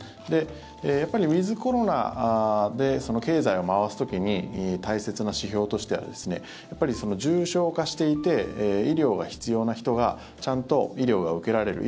やっぱりウィズコロナで経済を回す時に大切な指標としては重症化していて医療が必要な人がちゃんと医療が受けられる。